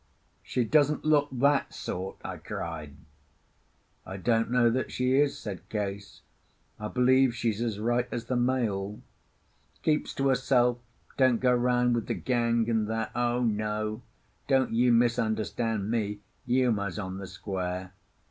"She doesn't look that sort," I cried. "I don't know that she is," said Case. "I believe she's as right as the mail. Keeps to herself, don't go round with the gang, and that. O no, don't you misunderstand me—Uma's on the square."